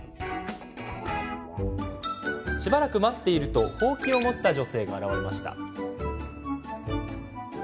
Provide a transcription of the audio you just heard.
しばらく待っているとほうきを持った女性が現れました。